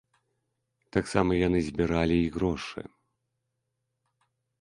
Таксама яны збіралі і грошы.